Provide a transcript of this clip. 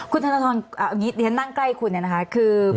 คุณธนทรอนอย่างนี้ฉันนั่งใกล้คุณนะคะ